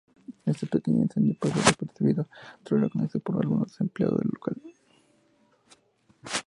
Este pequeño incendio pasó desapercibido, sólo era conocimiento de algunos empleados del local.